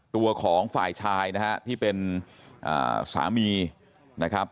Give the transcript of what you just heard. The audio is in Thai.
ตัวของฝ่ายชายนะฮะที่เป็นสามีนะครับ